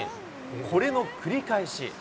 これの繰り返し。